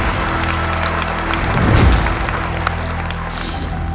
รับทราบ